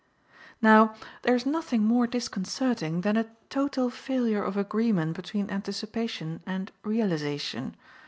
Now there is nothing more disconcerting than a total failure of agreement between anticipation and realization.